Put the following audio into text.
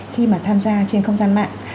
khi mà tham gia trên không gian mạng